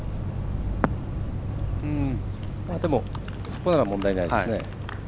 ここなら問題ないですね。